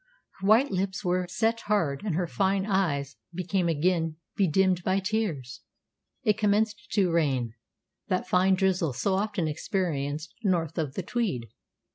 Her white lips were set hard, and her fine eyes became again bedimmed by tears. It commenced to rain, that fine drizzle so often experienced north of the Tweed.